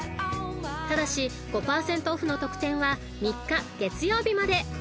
［ただし５％オフの特典は３日月曜日まで］